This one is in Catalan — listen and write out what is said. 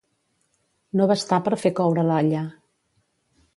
No bastar per fer coure l'olla.